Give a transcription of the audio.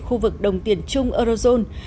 khu vực đồng tiền chung eurozone